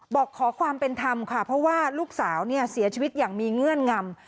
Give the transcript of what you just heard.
บอกขอความเป็นธรรมค่ะเพราะว่าลูกสาวเนี่ยเสียชีวิตอย่างมีเงื่อนงำ